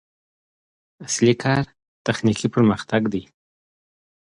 اصلي کار تخنیکي پرمختګ دی.